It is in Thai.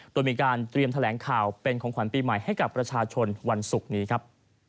โดยมีการเตรียมแถลงข่าวเป็นของขวัญปีใหม่ให้กับประชาชนวันศุกร์นี้ครับ